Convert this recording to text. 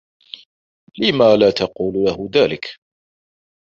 لم لا تقول له ذلك؟